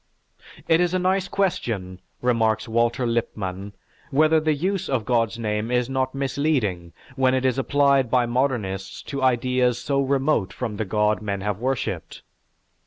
"It is a nice question," remarks Walter Lippmann, "whether the use of God's name is not misleading when it is applied by modernists to ideas so remote from the God men have worshipped.